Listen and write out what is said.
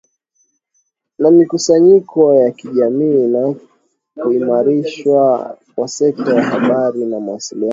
na mikusanyiko ya kijamii na kuimarishwa kwa sekta ya habari na mawasiliano